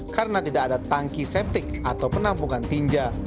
karena tidak ada tangki septik atau penampungan tinja